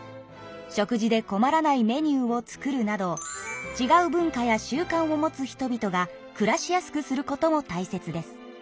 食事でこまらないメニューを作るなどちがう文化や習慣を持つ人々が暮らしやすくすることも大切です。